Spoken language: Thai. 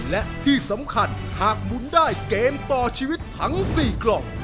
และที่สำคัญหากหมุนได้เกมต่อชีวิตทั้ง๔กล่อง